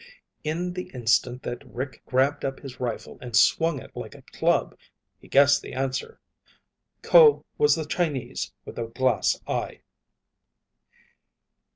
In the instant that Rick grabbed up his rifle and swung it like a club, he guessed the answer. _Ko was the Chinese with the glass eye!